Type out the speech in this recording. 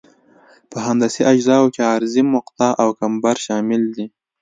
په هندسي اجزاوو کې عرضي مقطع او کمبر شامل دي